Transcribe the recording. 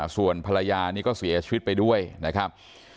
ส่วนภรรยานี่ก็เสียชีวิตไปด้วยนะครับ